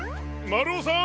まるおさん！